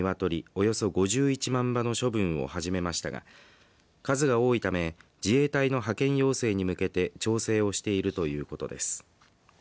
およそ５１万羽の処分を始めましたが数が多いため自衛隊の派遣要請に向けて調整をしているということです。